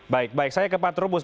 baik baik saya ke pak trubus